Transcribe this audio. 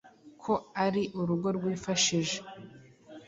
ko ari urugo rwifashije.